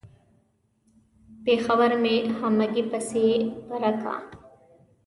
پېښور مې همګي پسې پره کا.